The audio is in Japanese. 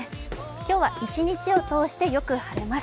今日は一日を通してよく晴れます。